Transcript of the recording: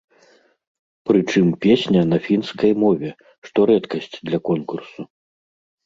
Прычым песня на фінскай мове, што рэдкасць для конкурсу.